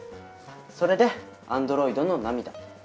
それで「アンドロイドの涙」。